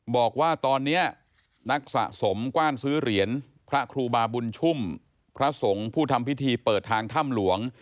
บอกว่าตอนนี้นักสะสมกว้านซื้อเหรียญพระครูบาบุญชุ่มพระสงฆ์ผู้ทำพิธีเปิดทางถ้ำหลวง